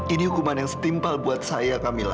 ini hukuman yang setimpal buat saya camilla